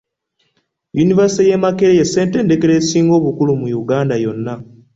Yunivaasite y'e Makerere ye ssettendekero esinga obukulu mu Uganda yonna